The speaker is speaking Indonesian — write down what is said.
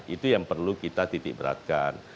itu yang perlu kita titik beratkan